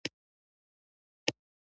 انسان د دغه اعتراف تومنه نه لري.